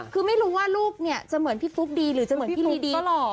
คือไม่รู้ว่าลูกเนี่ยจะเหมือนพี่ฟุ๊กดีหรือจะเหมือนพี่ลีดี